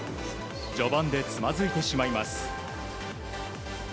序盤でつまずいてしまいます。